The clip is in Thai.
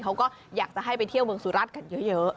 เขาก็อยากจะให้ไปเที่ยวเมืองสุราชกันเยอะ